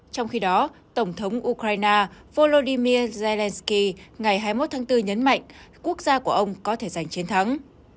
trong khi đó tổng thống ukraine volodymyr zelensky ngày hai mươi một tháng bốn nhấn mạnh quốc gia của ông có thể giành chiến thắng